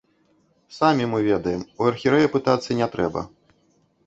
Самі мы ведаем, у архірэя пытацца не трэба.